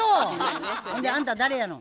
ほんであんた誰やの？